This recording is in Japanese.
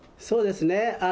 そうですね。